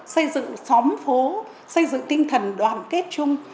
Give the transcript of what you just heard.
xây dựng xóm phố xây dựng tinh thần đoàn kết chung